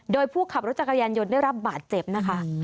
โดยผู้ขับรถจักรยานยนต์ได้รับบาดเจ็บนะคะ